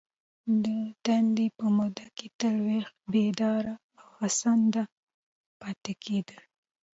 د دندي په موده کي تل ویښ ، بیداره او هڅانده پاته کیدل.